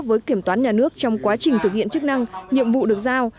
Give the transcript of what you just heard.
với kiểm toán nhà nước trong quá trình thực hiện chức năng nhiệm vụ được giao